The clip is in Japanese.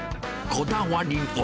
こだわりは。